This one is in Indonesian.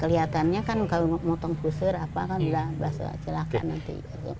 kelihatannya kan kalau motong kusir apa kan sudah basah celaka nanti